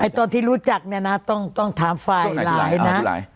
ไอ้ตอนที่รู้จักเนี้ยนะต้องต้องถามไฟล์อีกหลายนะอ่าทุกหลาย